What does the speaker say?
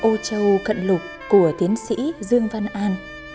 trong âu châu cận lục của tiến sĩ dương văn an